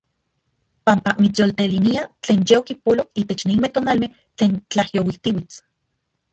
Panpa mitsyoltelinia tlen yokipolo itech ninmej tonalmej tlen tlayouijtiuits.